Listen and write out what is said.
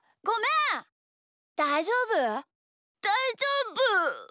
だいじょうぶ。